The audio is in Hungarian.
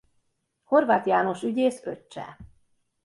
Horváth János ügyész öccse.